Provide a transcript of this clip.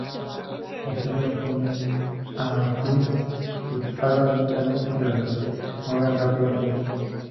Las hembras tienden a batir sus alas lentamente, pero se mueven rápidamente.